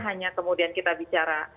hanya kemudian kita bicara